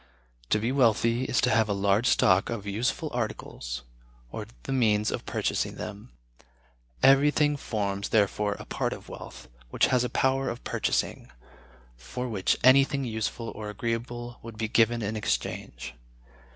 To be wealthy is to have a large stock of useful articles, or the means of purchasing them. Everything forms, therefore, a part of wealth, which has a power of purchasing; for which anything useful or agreeable would be given in exchange.